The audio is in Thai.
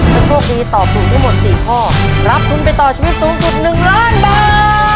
ถ้าโชคดีตอบถูกทั้งหมด๔ข้อรับทุนไปต่อชีวิตสูงสุด๑ล้านบาท